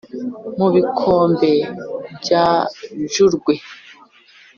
mu bikombe bya jurwe